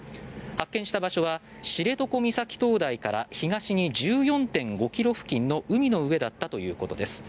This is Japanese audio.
発見した場所は知床岬灯台から東に１４．５ｋｍ付近の海の上だったということです。